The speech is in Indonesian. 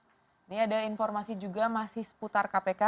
ini ada informasi juga masih seputar kpk